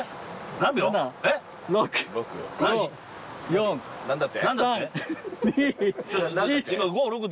何だって？